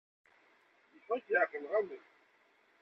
Yeffeɣ-ik leɛqel, neɣ amek?